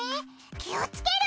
気をつける！